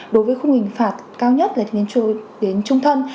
đối với khung hình phạt cao nhất là đến chung thân